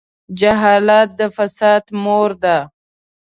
جهالت د فساد مور ده.